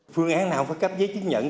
phương án nào phải cấp giấy chứng nhận